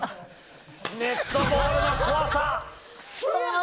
ネットボールの怖さ。